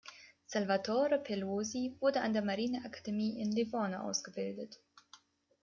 Salvatore Pelosi wurde an der Marineakademie in Livorno ausgebildet.